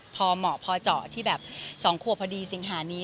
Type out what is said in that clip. พอเหมาะพอเจาะที่แบบ๒ขวบพอดีสิงหานี้